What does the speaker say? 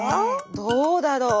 どうだろう。